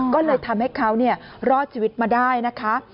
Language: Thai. ก็เลยทำให้เขารอดชีวิตมาได้นะคะ